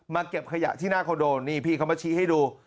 เก็บขยะที่หน้าคอนโดนี่พี่เขามาชี้ให้ดู